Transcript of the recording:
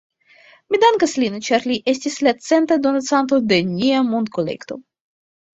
Mi dankas lin, ĉar li estis la centa donacanto ĉe nia monkolekto